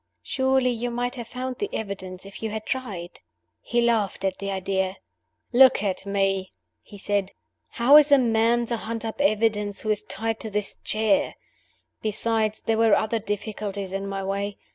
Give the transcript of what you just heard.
"Surely you might have found the evidence if you had tried?" He laughed at the idea. "Look at me!" he said. "How is a man to hunt up evidence who is tied to this chair? Besides, there were other difficulties in my way.